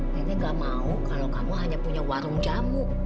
nenek gak mau kalau kamu hanya punya warung jamu